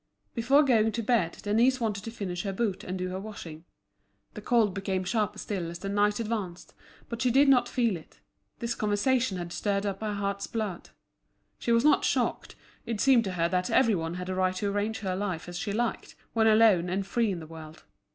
Before going to bed Denise wanted to finish her boot and do her washing. The cold became sharper still as the night advanced; but she did not feel it, this conversation had stirred up her heart's blood. She was not shocked, it seemed to her that every one had a right to arrange her life as she liked, when alone and free in the world.